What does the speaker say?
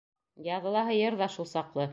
Яҙылаһы йыр ҙа шул саҡлы.